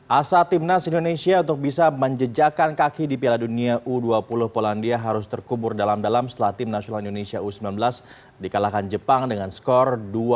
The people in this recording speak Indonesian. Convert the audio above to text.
asa timnas indonesia untuk bisa menjejakan kaki di piala dunia u dua puluh polandia harus terkubur dalam dalam setelah tim nasional indonesia u sembilan belas dikalahkan jepang dengan skor dua